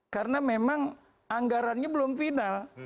karena memang anggarannya belum final